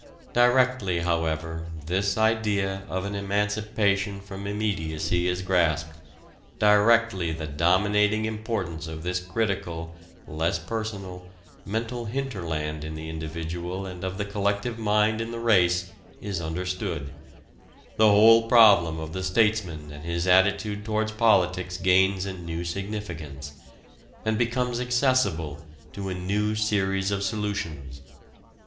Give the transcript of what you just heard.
Directly, however, this idea of an emancipation from immediacy is grasped, directly the dominating importance of this critical, less personal, mental hinterland in the individual and of the collective mind in the race is understood, the whole problem of the statesman and his attitude toward politics gains a new significance, and becomes accessible to a new series of solutions...."